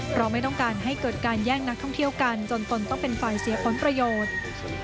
เพราะไม่ต้องการให้เกิดการแย่งนักท่องเที่ยวกันจนตนต้องเป็นฝ่ายเสียผลประโยชน์